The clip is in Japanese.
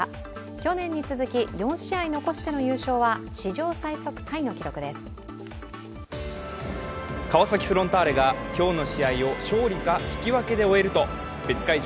去年に続き４試合残しての優勝は川崎フロンターレが今日の試合を勝利か引き分けで終えると別会場